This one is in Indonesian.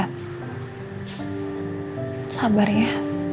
nanti kita cari al sama sama